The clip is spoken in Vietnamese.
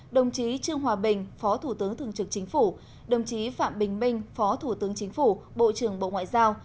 đồng chí trương hòa bình phó thủ tướng thường trực chính phủ đồng chí phạm bình minh phó thủ tướng chính phủ bộ trưởng bộ ngoại giao